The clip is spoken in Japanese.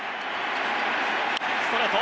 ストレート。